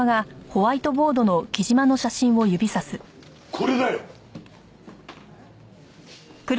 これだよ！